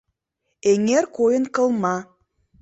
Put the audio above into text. Эҥер койын кылма.